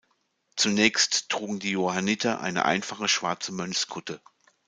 Zunächst trugen die Johanniter eine einfache schwarze Mönchskutte.